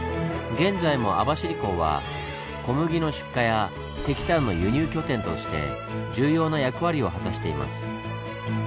現在も網走港は小麦の出荷や石炭の輸入拠点として重要な役割を果たしています。